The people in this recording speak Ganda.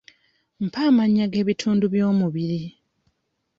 Mpa amannya g'ebitundu by'omubiri.